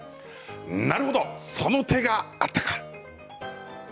なるほど、その手があったか。